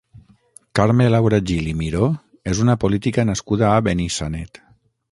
Carme Laura Gil i Miró és una política nascuda a Benissanet.